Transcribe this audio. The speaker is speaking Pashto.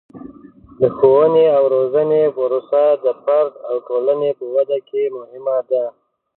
د ښوونې او روزنې پروسه د فرد او ټولنې په ودې کې مهمه ده.